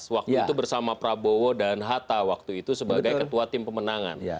waktu itu bersama prabowo dan hatta waktu itu sebagai ketua tim pemenangan